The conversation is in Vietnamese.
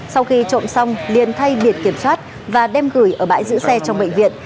sau khi trộm xong liền thay biệt kiểm soát và đem gửi ở bãi giữ xe trong bệnh viện